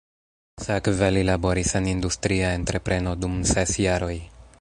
Sekve li laboris en industria entrepreno dum ses jaroj.